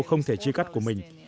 không thể chia cắt của mình